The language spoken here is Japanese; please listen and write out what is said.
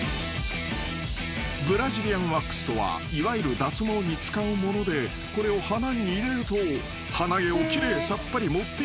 ［ブラジリアンワックスとはいわゆる脱毛に使うものでこれを鼻に入れると鼻毛を奇麗さっぱり持っていってくれるのだ］